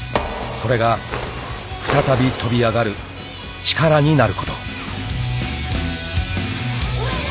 ［それが再び飛び上がる力になることを］